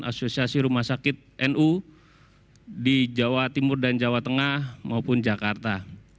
asosiasi rumah sakit nu di jawa timur dan jawa tengah maupun jakarta